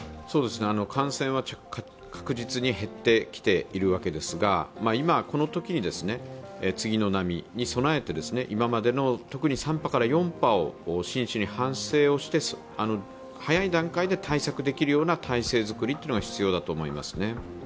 感染は確実に減ってきているわけですが、今、このときに次の波に備えて、今までの、特に３波から４波を真摯に反省して早い段階で対策できるような体制づくりが必要だと思いますね。